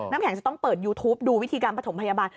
น้ำแข็งจะต้องเปิดยูทูปดูวิธีการประถมพยาบาล